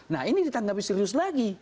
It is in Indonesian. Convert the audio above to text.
nah ini ditanggapi serius lagi